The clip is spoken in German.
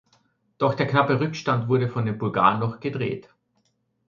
Doch der knappe Rückstand wurde von den Bulgaren noch gedreht.